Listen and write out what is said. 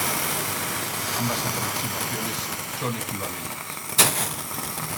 Ambas aproximaciones son equivalentes.